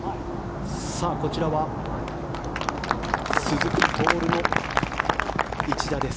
こちらは、鈴木亨の一打です。